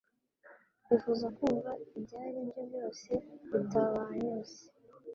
Twifuza kumva ibyaribyo byose bitabanyuze.